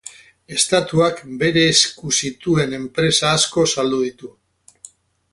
Estatuak bere esku zituen enpresa asko saldu ditu.